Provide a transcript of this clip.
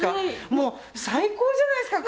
もう最高じゃないですか。